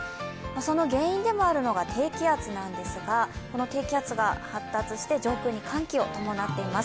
その原因でもあるのが低気圧なんですが、この低気圧が発達して上空に寒気を伴っています。